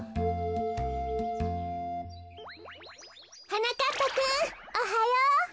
はなかっぱくんおはよう。